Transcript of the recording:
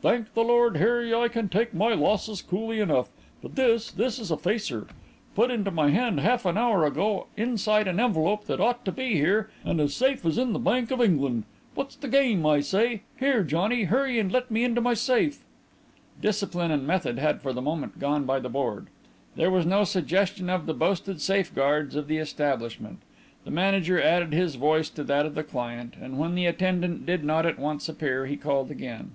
Thank the Lord Harry, I can take my losses coolly enough, but this this is a facer. Put into my hand half an hour ago inside an envelope that ought to be here and as safe as in the Bank of England. What's the game, I say? Here, Johnny, hurry and let me into my safe." Discipline and method had for the moment gone by the board. There was no suggestion of the boasted safeguards of the establishment. The manager added his voice to that of the client, and when the attendant did not at once appear he called again.